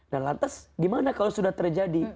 nah lantas gimana kalau sudah terjadi